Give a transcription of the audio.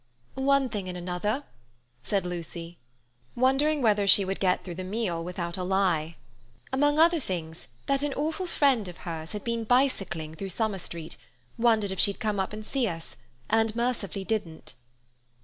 "One thing and another," said Lucy, wondering whether she would get through the meal without a lie. "Among other things, that an awful friend of hers had been bicycling through Summer Street, wondered if she'd come up and see us, and mercifully didn't."